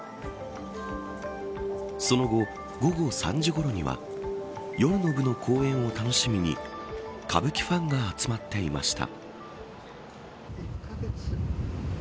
その後、午後３時ごろには夜の部の公演を楽しみに歌舞伎ファンが集まっていました。